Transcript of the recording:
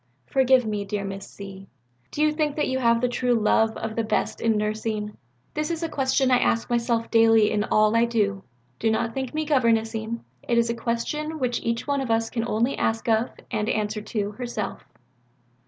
Forgive me, dear Miss Z., do you think that you have the true love of the best in nursing? This is a question I ask myself daily in all I do. Do not think me governess ing. It is a question which each one of us can only ask of, and answer to, herself."